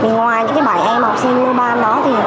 ngoài những bảy em học sinh lưu ban đó